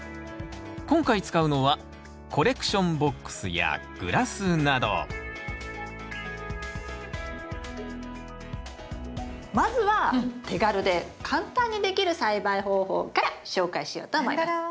今回使うのはコレクションボックスやグラスなどまずは手軽で簡単にできる栽培方法から紹介しようと思います。